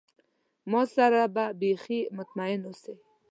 ما سره به بیخي مطمئن اوسی.